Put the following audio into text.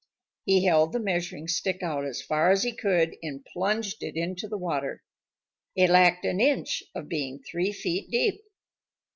He held the measuring stick out as far as he could and plunged it into the water. It lacked an inch of being three feet deep.